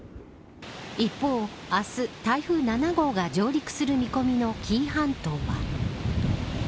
一方、明日台風７号が上陸する見込みの紀伊半島は。